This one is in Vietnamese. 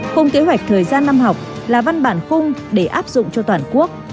khung kế hoạch thời gian năm học là văn bản khung để áp dụng cho toàn quốc